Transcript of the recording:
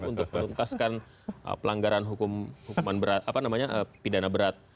untuk menuntaskan pelanggaran hukuman berat apa namanya pidana berat